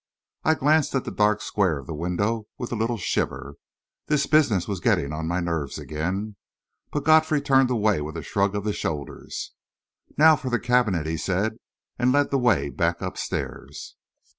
I glanced at the dark square of the window with a little shiver. This business was getting on my nerves again. But Godfrey turned away with a shrug of the shoulders. "Now for the cabinet," he said, and led the way back upstairs.